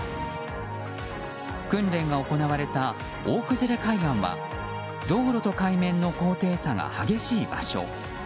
訓練が行われた大崩海岸は道路と海面の高低差が激しい場所。